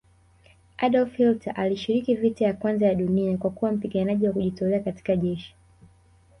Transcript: Adolf Hilter alishiriki vita ya kwanza ya dunia kwakuwa mpiganaji Wa kujitolea katika jeshi